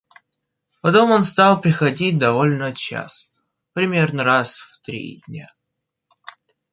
Потом он стал приходить довольно часто, примерно раз в три дня.